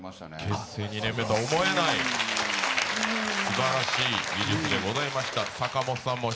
結成２年目とは思えない、すばらしい技術でございました。